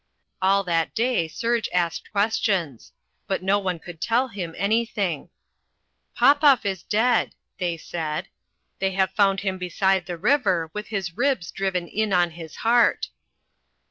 All that day Serge asked questions. But no one would tell him anything. "Popoff is dead," they said. "They have found him beside the river with his ribs driven in on his heart."